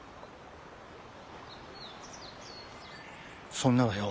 そんならよ